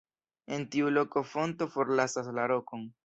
En tiu loko fonto forlasas la rokon.